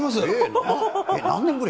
何年ぶり？